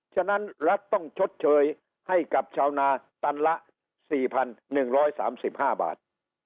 ฉะนั้นรัฐต้องชดเชยให้กับชาวนาตันละ๔๑๓๕บาท